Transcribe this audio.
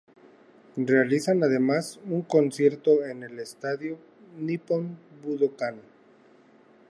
Realizan además un concierto en el estadio Nippon Budokan.